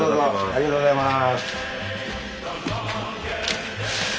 ありがとうございます。